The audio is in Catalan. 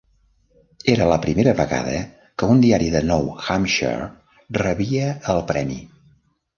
Era la primera vegada que un diari de Nou Hampshire rebia el premi.